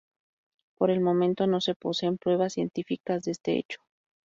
Por el momento no se poseen pruebas científicas de este hecho.